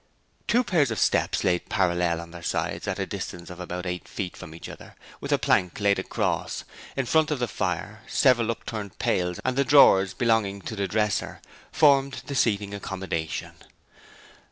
Two pairs of steps, laid parallel on their sides at a distance of about eight feet from each other, with a plank laid across, in front of the fire, several upturned pails, and the drawers belonging to the dresser, formed the seating accommodation.